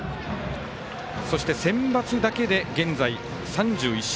そして、センバツだけで現在３１勝。